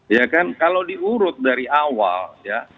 ya kan kalau diurut dari awal ya